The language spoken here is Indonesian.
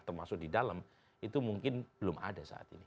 termasuk di dalam itu mungkin belum ada saat ini